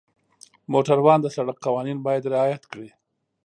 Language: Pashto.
موټروان د سړک قوانین باید رعایت کړي.